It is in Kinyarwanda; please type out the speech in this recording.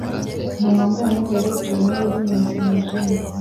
Umuntu wambaye imyenda yera yicaye iruhande rwimyanda yijimye